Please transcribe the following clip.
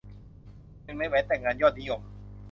หนึ่งในแหวนแต่งงานยอดนิยม